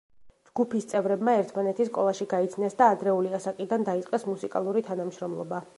ჯგუფის წევრებმა ერთმანეთი სკოლაში გაიცნეს და ადრეული ასაკიდან დაიწყეს მუსიკალური თანამშრომლობა.